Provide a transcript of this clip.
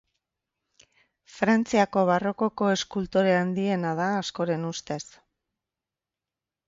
Frantziako Barrokoko eskultore handiena da, askoren ustez.